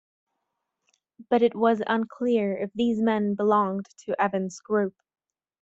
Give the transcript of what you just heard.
But it was unclear if these men belonged to Evans' group.